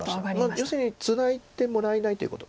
要するにツナいでもらえないってこと。